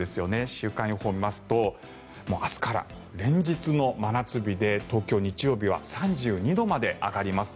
週間予報を見ますと明日から連日の真夏日で東京、日曜日は３２度まで上がります。